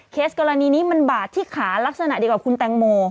กรณีนี้มันบาดที่ขาลักษณะเดียวกับคุณแตงโม